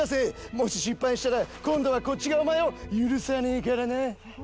もし失敗したら今度はこっちがお前を許さねえからな。